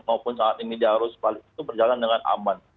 maupun saat ini di arus balik itu berjalan dengan aman